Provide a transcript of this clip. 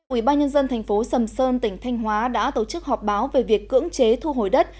ủy ban nhân dân thành phố sầm sơn tỉnh thanh hóa đã tổ chức họp báo về việc cưỡng chế thu hồi đất